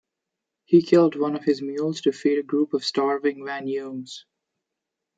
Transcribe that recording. He killed one of his mules to feed a group of starving Vanyumes.